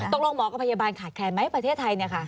หมอกับพยาบาลขาดแคลนไหมประเทศไทย